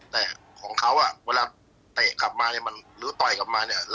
แต่ของเขาอะเวลาเตะกลับมาหรือต่อยกลับมาเนี่ย